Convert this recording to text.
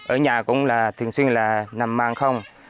ở nhà cũng là thường xuyên là nằm mang không